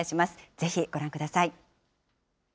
ぜひご覧ください。